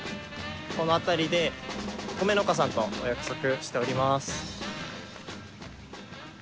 このあたりでお米農家さんとお約束しております。